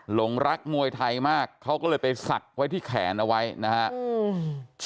หลงรักมวยไทยมากเขาก็เลยไปศักดิ์ไว้ที่แขนเอาไว้นะครับ